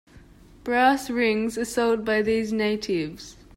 Brass rings are sold by these natives.